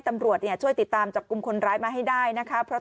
ตำรวจเนี่ยช่วยติดตามจับกลุ่มคนร้ายมาให้ได้นะคะ